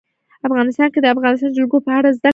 افغانستان کې د د افغانستان جلکو په اړه زده کړه کېږي.